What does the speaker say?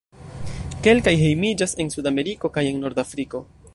Kelkaj hejmiĝas en Sudameriko kaj en Nordafriko.